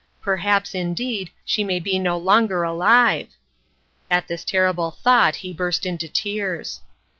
Perhaps, indeed, she may be no longer alive!" At this terrible thought he burst into tears.